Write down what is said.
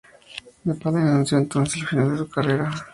De Paoli anunció entonces el final de su carrera.